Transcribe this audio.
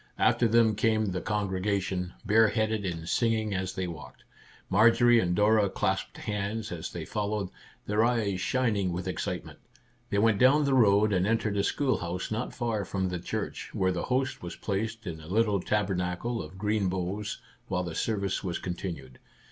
After them came the congregation, bare headed, and singing as they walked. Marjorie and Dora clasped hands as they followed, their eyes shining with excitement. They went down the road and entered a schoolhouse not far from the church, where the host was placed in a little tabernacle of green boughs while the service was continued.